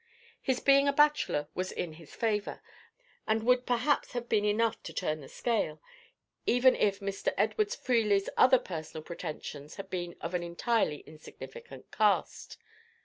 His being a bachelor was in his favour, and would perhaps have been enough to turn the scale, even if Mr. Edward Freely's other personal pretensions had been of an entirely insignificant cast.